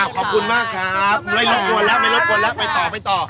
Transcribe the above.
ขอบคุณมากครับไม่รบกวนแล้วไม่รบกวนแล้วไปต่อไปต่อ